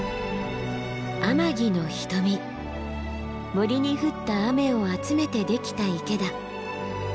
森に降った雨を集めてできた池だ。